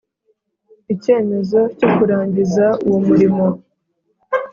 icyemezo cyo kurangiza uwo murimo